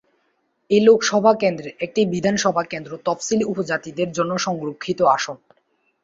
এই লোকসভা কেন্দ্রের একটি বিধানসভা কেন্দ্র তফসিলী উপজাতিদের জন্য সংরক্ষিত আসন।